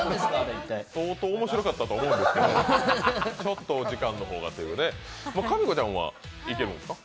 総統面白かったと思いますけどちょっとお時間の方がということで、かみこちゃんはいけるんですか